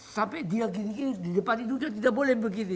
sampai dia gini gini di tempat tidurnya tidak boleh begini